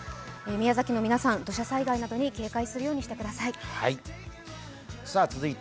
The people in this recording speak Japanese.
宮崎の皆さん、土砂災害などに警戒するようにしてください。